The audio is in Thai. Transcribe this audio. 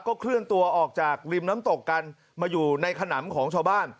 เคลื่อนตัวออกจากริมน้ำตกกันมาอยู่ในขนำของชาวบ้าน